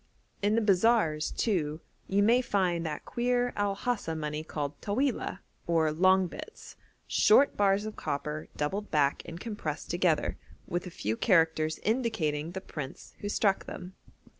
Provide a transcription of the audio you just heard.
In the bazaars, too, you may find that queer El Hasa money called Tawilah, or 'long bits,' short bars of copper doubled back and compressed together, with a few characters indicating the prince who struck them.